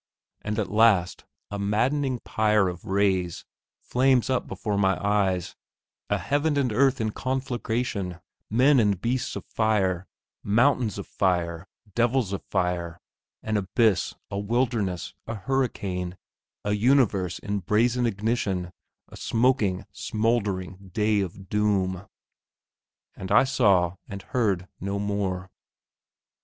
And at last, a maddening pyre of rays flames up before my eyes; a heaven and earth in conflagration men and beasts of fire, mountains of fire, devils of fire, an abyss, a wilderness, a hurricane, a universe in brazen ignition, a smoking, smouldering day of doom! And I saw and heard no more....